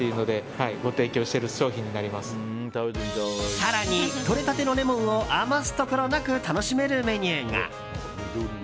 更に、とれたてのレモンを余すところなく楽しめるメニューが。